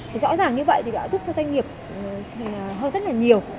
thì rõ ràng như vậy thì đã giúp cho doanh nghiệp hơn rất là nhiều